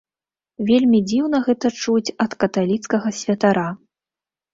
Вельмі дзіўна гэта чуць ад каталіцкага святара.